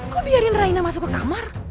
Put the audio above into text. kau biarin raina masuk ke kamar